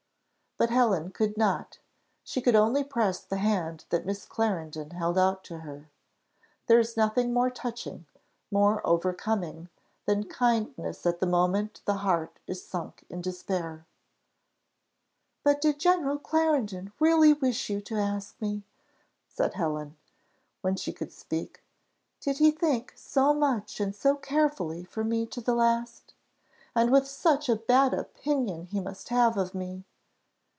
But Helen could not; she could only press the hand that Miss Clarendon held out to her. There is nothing more touching, more overcoming, than kindness at the moment the heart is sunk in despair. "But did General Clarendon really wish you to ask me?" said Helen, when she could speak. "Did he think so much and so carefully for me to the last? And with such a bad opinion as he must have of me!"